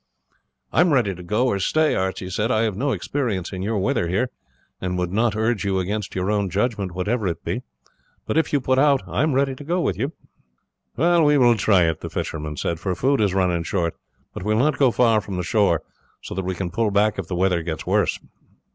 "I am ready to go or stay," Archie said; "I have no experience in your weather here, and would not urge you against your own judgment, whatever it be; but if you put out I am ready to go with you." "We will try it," the fisherman said, "for food is running short; but we will not go far from the shore, so that we can pull back if the weather gets worse."